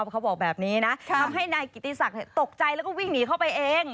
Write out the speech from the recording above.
เขาบอกแบบนี้นะทำให้นายกิติศักดิ์ตกใจแล้วก็วิ่งหนีเข้าไปเอง